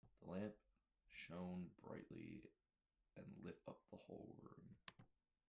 The lamp shone brightly and lit up the whole room.